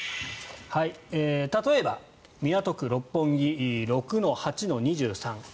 例えば港区六本木６の８の２３。